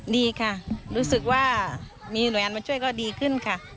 ดีค่ะรู้สึกว่ามีหน่วยงานมาช่วยก็ดีขึ้นค่ะ